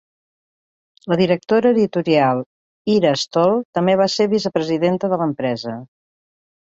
La directora editorial Ira Stoll també va ser vicepresidenta de l'empresa.